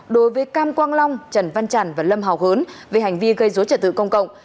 đối với cam quang long trần văn trần và lâm hảo hớn về hành vi gây rối trả tự công cộng